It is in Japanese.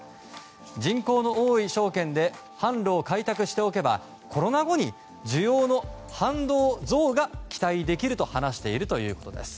人口の多い商圏で販路を開拓しておけばコロナ後に需要の反動増が期待できると話しているということです。